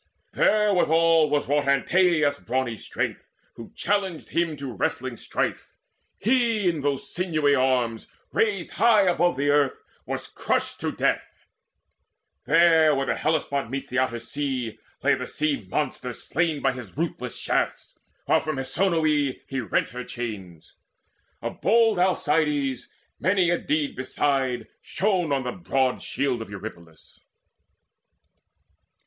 There withal was wrought Antaeus' brawny strength, who challenged him To wrestling strife; he in those sinewy arms Raised high above the earth, was crushed to death. There where swift Hellespont meets the outer sea, Lay the sea monster slain by his ruthless shafts, While from Hesione he rent her chains. Of bold Alcides many a deed beside Shone on the broad shield of Eurypylus.